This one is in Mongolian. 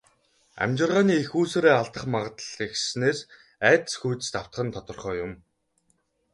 Амьжиргааны эх үүсвэрээ алдах магадлал ихэссэнээс айдас хүйдэст автах нь тодорхой юм.